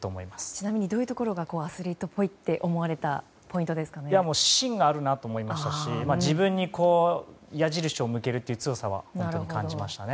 ちなみにどういうところがアスリートっぽいと芯があるなと思いましたし自分に矢印を向ける強さを本当に感じましたね。